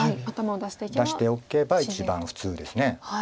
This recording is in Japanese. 出しておけば一番普通です。